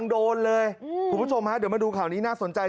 เดี๋ยวมาดูข่าวนี้น่าสนใจจัง